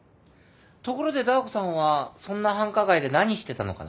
ところでダー子さんはそんな繁華街で何してたのかな？